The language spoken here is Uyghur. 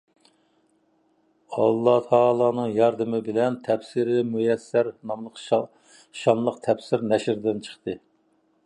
ئاللاھ تائالانىڭ ياردىمى بىلەن «تەپسىرى مۇيەسسەر» ناملىق شانلىق تەپسىر نەشردىن چىقتى.